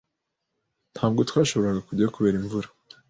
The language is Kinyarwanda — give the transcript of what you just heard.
Ntabwo twashoboraga kujyayo kubera imvura.